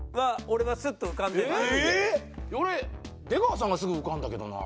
俺出川さんがすぐ浮かんだけどな。